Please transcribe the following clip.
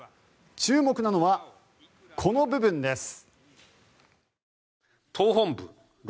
注目なのは、この部分です。